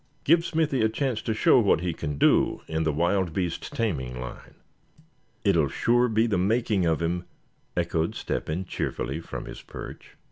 Give Smithy a chance to show what he can do in the wild beast taming line." "It'll sure be the making of him," echoed Step hen cheerfully, from his perch.